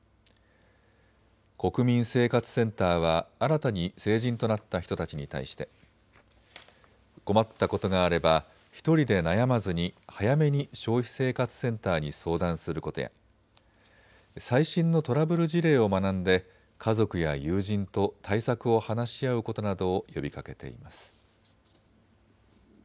国民生活センターは新たに成人となった人たちに対して困ったことがあれば１人で悩まずに早めに消費生活センターに相談することや、最新のトラブル事例を学んで家族や友人と対策を話し合うことなどを呼びかけています。